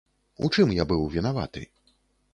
У чым я быў вінаваты?